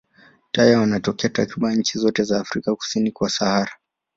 Taya wanatokea takriban nchi zote za Afrika kusini kwa Sahara.